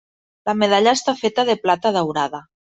La medalla està feta de plata daurada.